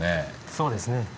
そうですね。